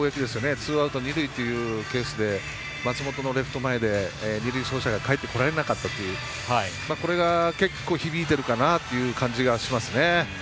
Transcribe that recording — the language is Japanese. ツーアウト二塁っていうケースで松本のところで二塁走者がかえってこれなかったとこれが結構響いているかなという感じがしますね。